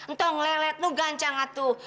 ntong lelet tuh ganjang atuh